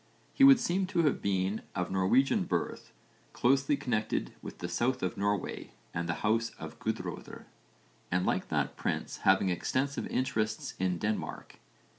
He would seem to have been of Norwegian birth, closely connected with the south of Norway and the house of Guðröðr, but like that prince having extensive interests in Denmark.